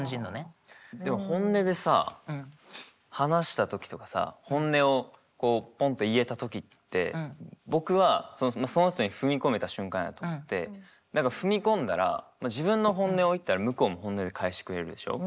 でも本音でさ話した時とかさ本音をぽんっと言えた時って僕はその人に踏み込めた瞬間やと思って何か踏み込んだら自分の本音を言ったら向こうも本音で返してくれるでしょ？